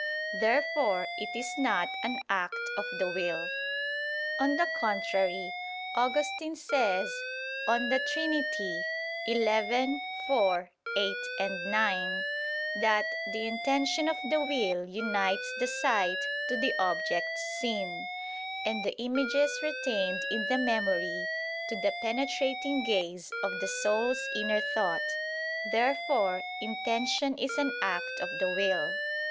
Therefore it is not an act of the will. On the contrary, Augustine says (De Trin. xi, 4, 8, 9) that "the intention of the will unites the sight to the object seen; and the images retained in the memory, to the penetrating gaze of the soul's inner thought." Therefore intention is an act of the will.